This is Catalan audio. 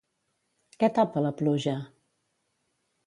Què tapa la pluja?